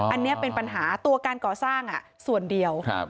อ๋ออันเนี้ยเป็นปัญหาตัวการก่อสร้างอ่ะส่วนเดียวครับ